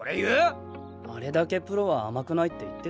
あれだけプロは甘くないって言ってたくせに。